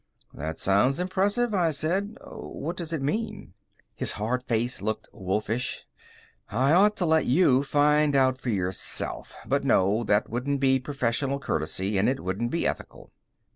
"That sounds impressive," I said. "What does it mean?" His hard face looked wolfish, "I ought to let you find out for yourself. But, no; that wouldn't be professional courtesy, and it wouldn't be ethical."